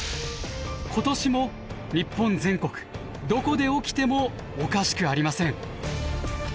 今年も日本全国どこで起きてもおかしくありません。